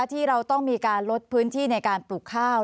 ที่เราต้องมีการลดพื้นที่ในการปลูกข้าว